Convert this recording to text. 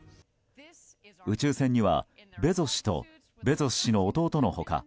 宇宙船には、ベゾス氏とベゾス氏の弟の他